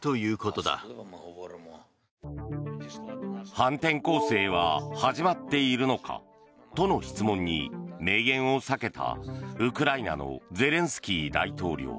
反転攻勢は始まっているのかとの質問に明言を避けた、ウクライナのゼレンスキー大統領。